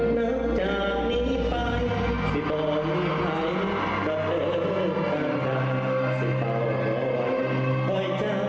นักจากนี้ไปซิบอกให้ใครรอเอิ้นต่างกันซิบอกให้พ่อยเจ้าขึ้นมา